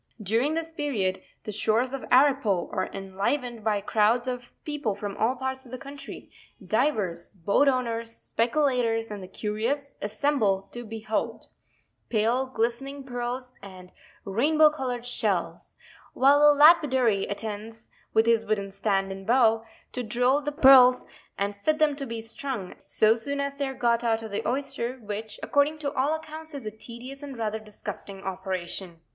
"During this period, the shores of Arippo are enlivened by crowds of people from all parts of the country; divers, boat owners, speculators, and the curious, assemble to behold *' Pale glistening pearls, and rainbow colour'd shells,' while the lapidary attends with his wooden stand and bow, to drill the pearls and fit them to be strung, so soon as they are got out of the oyster, which, according to all accounts, is a tedious and rather disgusting operation.